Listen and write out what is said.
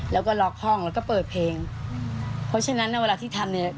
แล้วก็ล็อกห้องแล้วก็เปิดเพลงเพราะฉะนั้นเนี่ยเวลาที่ทำเนี่ย